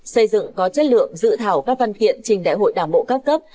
xây dựng có chất lượng dự thảo các văn kiện trình đại hội đảng bộ các cấp